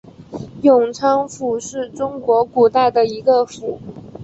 永昌府是中国古代的一个府。